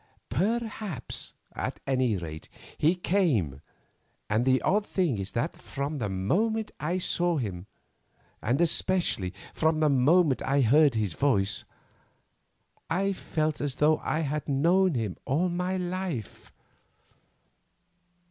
Perhaps—at any rate, he came, and the odd thing is that from the moment I saw him, and especially from the moment I heard his voice, I felt as though I had known him all my life.